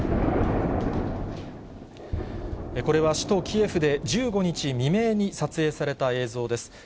これは首都キエフで、１５日未明に撮影された映像です。